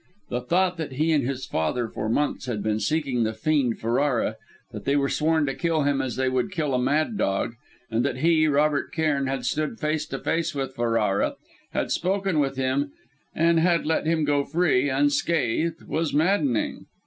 The thought that he and his father for months had been seeking the fiend Ferrara, that they were sworn to kill him as they would kill a mad dog; and that he, Robert Cairn, had stood face to face with Ferrara, had spoken with him; and had let him go free, unscathed, was maddening.